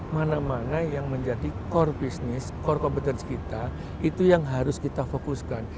mana mana yang menjadi core business core competence kita itu yang harus kita fokuskan